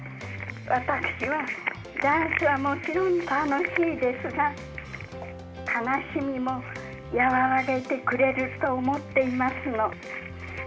私は、ダンスはもちろん楽しいですが悲しみもやわらげてくれると思っていますの。